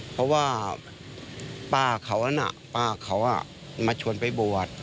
เพราะว่าป้าเขานั้นป้าเขามาชวนไปบวช